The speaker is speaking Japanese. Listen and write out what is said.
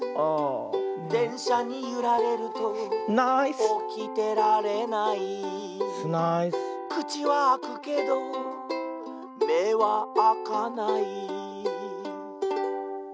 「でんしゃにゆられるとおきてられない」「くちはあくけどめはあかない」